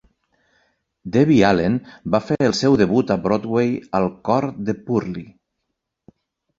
Debbie Allen va fer el seu debut a Broadway al cor de "Purlie".